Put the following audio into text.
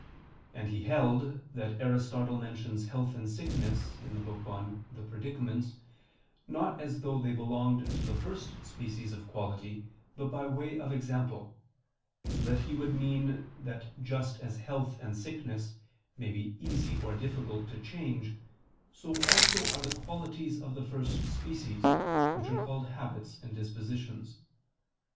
And he held that Aristotle mentions health and sickness in the Book on the Predicaments not as though they belonged to the first species of quality, but by way of example: so that he would mean that just as health and sickness may be easy or difficult to change, so also are all the qualities of the first species, which are called habits and dispositions.